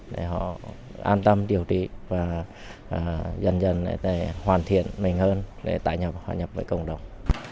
để họ an tâm điều trị và dần dần để hoàn thiện mình hơn để tải nhập hòa nhập với cộng đồng